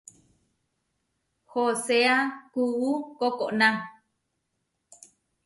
Hoseá kuú kokóna.